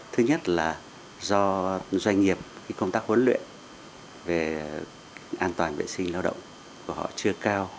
thứ nhất là do doanh nghiệp công tác huấn luyện về an toàn vệ sinh lao động của họ chưa cao